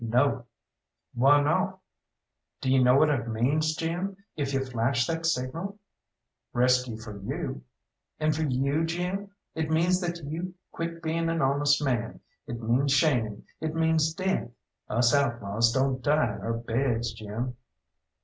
"No." "Why not?" "Do you know what it means, Jim, if you flash that signal?" "Rescue for you." "And for you, Jim? It means that you quit bein' an honest man, it means shame, it means death. Us outlaws don't die in our beds, Jim."